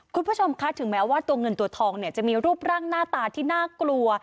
คุณผู้ชมคะถึงแม้ว่าตัวเงินตัวทองเนี่ยจะมีรูปร่างหน้าตาที่น่ากลัว